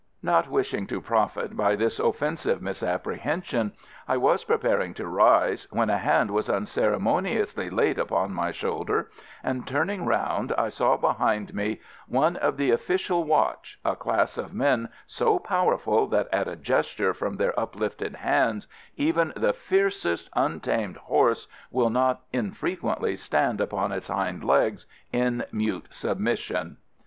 Not wishing to profit by this offensive misapprehension, I was preparing to rise, when a hand was unceremoniously laid upon my shoulder, and turning round I saw behind me one of the official watch a class of men so powerful that at a gesture from their uplifted hands even the fiercest untamed horse will not infrequently stand upon its hind legs in mute submission.